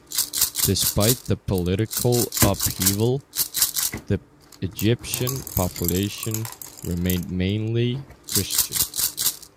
Despite the political upheaval, the Egyptian population remained mainly Christian.